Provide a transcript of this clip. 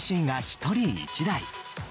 ＰＣが１人１台。